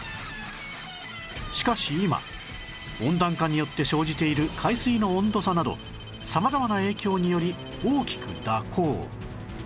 しかし今温暖化によって生じている海水の温度差など様々な影響により大きく蛇行